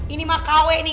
ini mah kawin nih